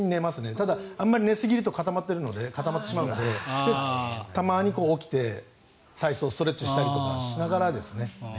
ただ、あまり寝すぎると固まってしまうのでたまに起きて体操、ストレッチしたりとかしながらですね。